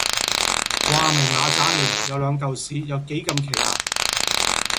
話明嗱喳麵有兩嚿屎有幾咁奇呀？